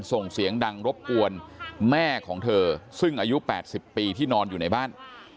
ส่งเสียงดังรบกวนแม่ของเธอซึ่งอายุ๘๐ปีที่นอนอยู่ในบ้าน